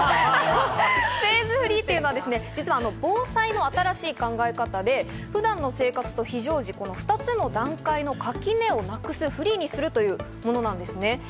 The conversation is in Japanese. フェーズフリーというのは実は、防災の新しい考え方で、普段の生活と非常時、２つの段階の垣根をなくす、フリーにするというものなんですね。